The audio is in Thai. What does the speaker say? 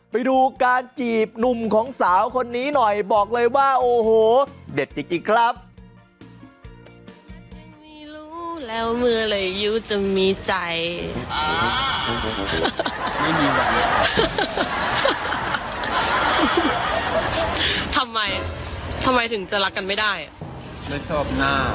ไปดูการจีบหนุ่มของสาวคนนี้หน่อยบอกเลยว่าโอ้โหเด็ดจริงครับ